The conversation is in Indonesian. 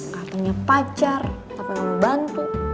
katanya pacar tapi lo bantu